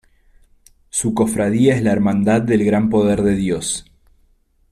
Su cofradía es la Hermandad del Gran Poder de Dios.